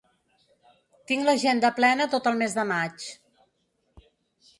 Tinc l'agenda plena tot el mes de maig.